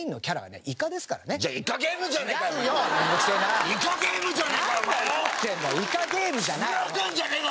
『イカゲーム』じゃないの。